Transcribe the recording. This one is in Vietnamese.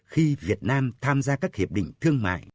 khi việt nam tham gia các hiệp định thương mại